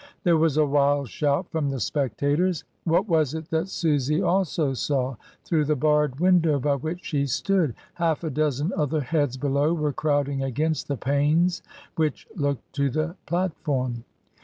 There was a wild shout from the spectators. What was it that Susy also saw through the barred window by which she stood (half a dozen other heads below were crowding against the panes which looked to the platform)?